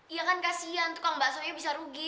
iya kan kasian tukang baksonya bisa rugi